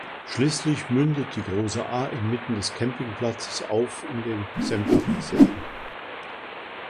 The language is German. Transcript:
Schliesslich mündet die Grosse Aa inmitten des Campingplatzes auf in den Sempachersee.